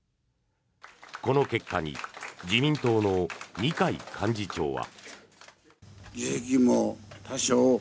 この結果に自民党の二階幹事長は。